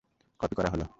Copy করা হলো!